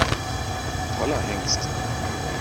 Toller Hengst!